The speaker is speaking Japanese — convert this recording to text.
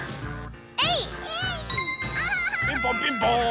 ピンポンピンポーン。